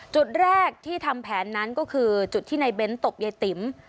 จุดแรกที่ทำแผนนั้นก็คือจุดที่ในเบ้นตบยายติ๋ม